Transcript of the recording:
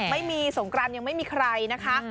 ไม่มีสงกรานยังไม่มีใครนะคะ